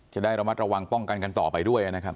จะได้ระมัดระวังป้องกันกันต่อไปด้วยนะครับ